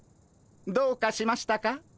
どうかしましたか？